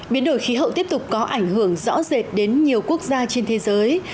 biến đổi khí hậu tiếp tục có ảnh hưởng rõ rệt đến nhiều quốc gia trên thế giới